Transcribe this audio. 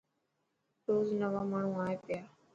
روز نوا ماڻهو آئي پيا.